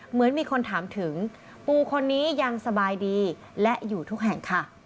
เหมือนมีคนถามถึงปูคนนี้ยังสบายดีและอยู่ทุกแห่งค่ะ